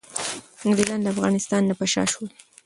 انګریزان له افغانستان نه په شا شول.